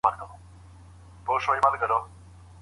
ایا آنلاین زده کړه د حضوري ټولګیو په پرتله ډیره ازادي ورکوي؟